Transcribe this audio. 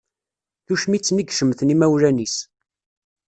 Tucmit-nni i icemmten imawlan-is.